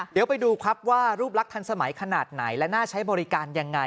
เดี๋ยวไปดูครับว่ารูปลักษณ์ทันสมัยขนาดไหนและน่าใช้บริการยังไง